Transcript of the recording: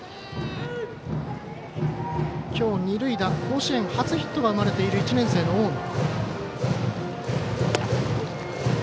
今日二塁打甲子園初ヒットが生まれている１年生の大野。